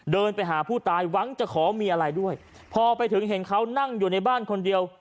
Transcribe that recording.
เดินไปหาผู้ตายหวังจะขอมีอะไรด้วยพอไปถึงเห็นเขานั่งอยู่ในบ้านคนเดียว